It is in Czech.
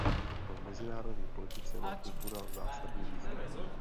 V mezinárodní politice má kultura zásadní význam.